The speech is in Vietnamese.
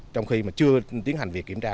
trong khi chưa tiến hành việc kiểm tra